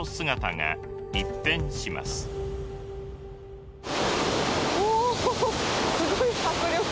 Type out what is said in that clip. すごい迫力。